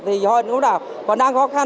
thì thôi cũng đảo còn đang khó khăn